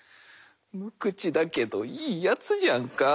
無口だけどいいやつじゃんか。